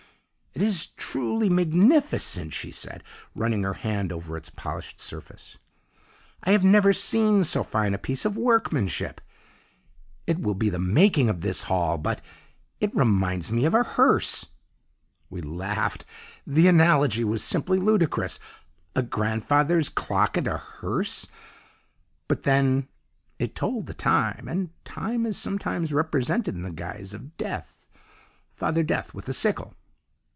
"'It is truly magnificent!' she said, running her hand over its polished surface, 'I have never seen so fine a piece of workmanship! It will be the making of this hall but it reminds me of a hearse!!!' "We laughed the analogy was simply ludicrous. A grandfather's clock and a hearse! But then it told the Time! and Time is sometimes represented in the guise of Death! Father Death with the sickle!